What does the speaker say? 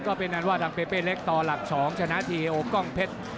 ก็เป็นอย่างนั้นว่าทางเปเปเล็กต่อหลัก๒ชนะที่เอโอ้กล้องเพชร